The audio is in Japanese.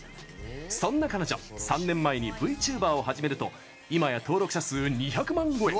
そんな彼女３年前にＶＴｕｂｅｒを始めるといまや登録者数２００万超え。